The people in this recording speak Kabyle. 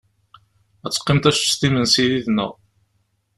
Ad teqqimeḍ ad teččeḍ imensi yid-neɣ.